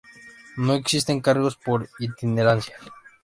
No existen cargos por itinerancia.